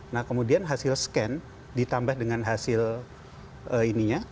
nah kemudian hasil scan ditambah dengan hasil ini nya